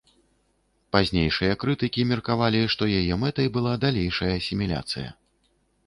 Пазнейшыя крытыкі меркавалі, што яе мэтай была далейшая асіміляцыя.